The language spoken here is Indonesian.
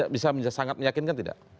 bisa sangat meyakinkan tidak